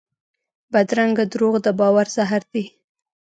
بدرنګه دروغ د باور زهر دي